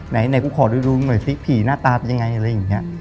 ไหนกูขอดูหน่อยซิผีหน้าตาเป็นยังไงอะไรอย่างนี้